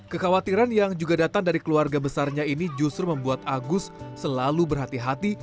kekhawatiran yang juga datang dari keluarga besarnya ini justru membuat agus selalu berhati hati